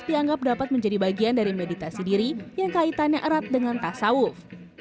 dianggap dapat menjadi bagian dari meditasi diri yang kaitannya erat dengan tasawuf